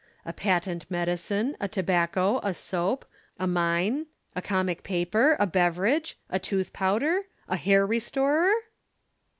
"A patent medicine, a tobacco, a soap, a mine, a comic paper, a beverage, a tooth powder, a hair restorer?"